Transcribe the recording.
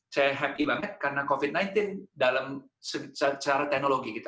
saya happy banget karena covid sembilan belas dalam secara teknologi gitu